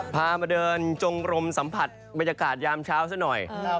พามาเดินจงรมสัมผัสบรรยากาศยามเช้าซะหน่อย